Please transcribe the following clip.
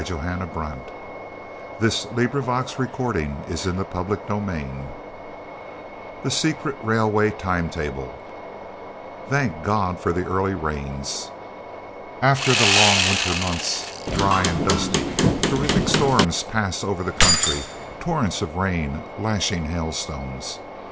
] [Footnote 3: "Fruits meet for repentance."] CHAPTER XXII THE SECRET RAILWAY TIME TABLE Thank God for the early rains! After the long winter months, dry and dusty, terrific storms pass over the country, torrents of rain, lashing hailstones.